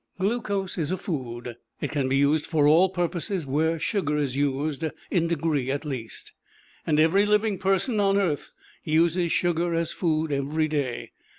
Glucose is a food; it can be used for all purposes where sugar is used in degree, at least. And every living person on earth uses sugar as food every day!